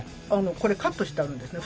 これカットしてあるんですね